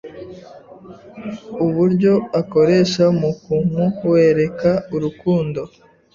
uburyo akoresha mu kumuwereka urukundo,